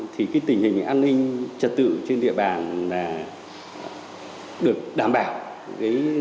thì tình hình an ninh trật tự trên địa bàn là được đảm bảo